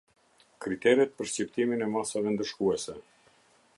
Kriteret për Shqiptimin e Masave Ndëshkuese.